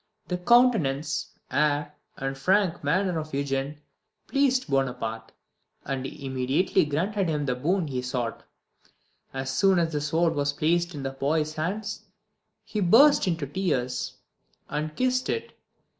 The countenance, air, and frank manner of Eugene pleased Bonaparte, and he immediately granted him the boon he sought. As soon as the sword was placed in the boy's hands he burst into tears, and kissed it.